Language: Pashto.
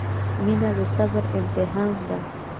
• مینه د صبر امتحان دی.